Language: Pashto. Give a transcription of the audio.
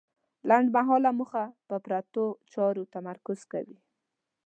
لنډمهاله موخه په پرتو چارو تمرکز کوي.